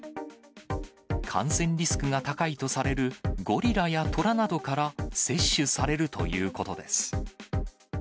感染リスクが高いとされるゴリラやトラなどから接種されるということです。